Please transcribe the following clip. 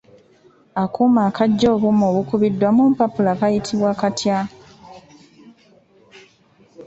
Akuuma akaggya obuuma obukubiddwa mu mpapula kayitibwa katya?